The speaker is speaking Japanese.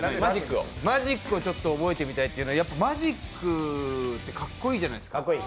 マジックを覚えてみたいというのはマジックってかっこいいじゃないですか。